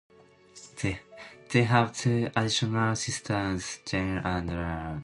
They have two additional sisters: Julie and Laura.